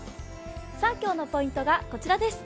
今日のポイントがこちらです。